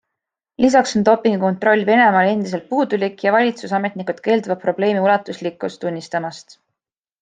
Lisaks on dopingukontroll Venemaal endiselt puudulik ja valitsusametnikud keelduvad probleemi ulatuslikkust tunnistamast.